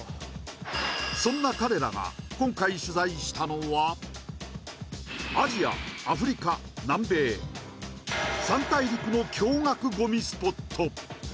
そんな彼らが今回取材したのは、アジア、アフリカ、南米３大陸の驚がくごみスポット。